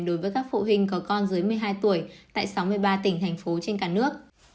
đối với các phụ huynh có con dưới một mươi hai tuổi tại sáu mươi ba tỉnh thành phố trên cả nước